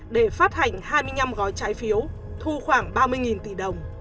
để phát hành hai mươi năm gói trái phiếu thu khoảng ba mươi tỷ đồng